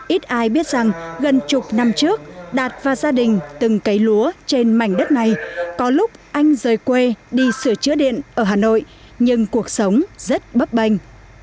ít ai biết rằng gần chục năm trước đạt và gia đình từng cấy lúa trên mảnh đất này có lúc anh rời quê đi sửa chữa điện ở hà nội nhưng cuộc sống rất bấp banh